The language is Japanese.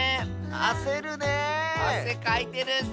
あせかいてるッス。